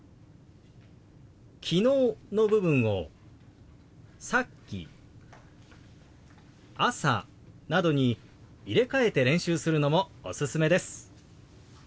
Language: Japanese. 「昨日」の部分を「さっき」「朝」などに入れ替えて練習するのもおすすめです。